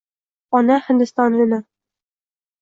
Ona Hindistonini